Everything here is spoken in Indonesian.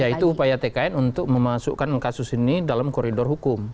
yaitu upaya tkn untuk memasukkan kasus ini dalam koridor hukum